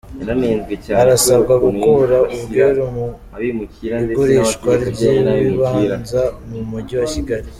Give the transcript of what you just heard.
Harasabwa gukura ubwiru mu igurishwa ry’ibibanza mu mujyi wa Kigali